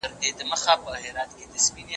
پښتون قابیل ته یې دعاوې په پښتو کولې